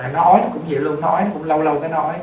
nó ói cũng vậy luôn nó ói cũng lâu lâu nó ói